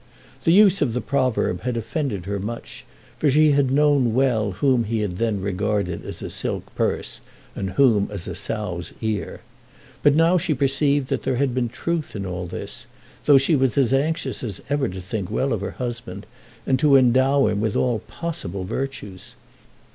The use of the proverb had offended her much, for she had known well whom he had then regarded as a silk purse and whom as a sow's ear. But now she perceived that there had been truth in all this, though she was as anxious as ever to think well of her husband, and to endow him with all possible virtues.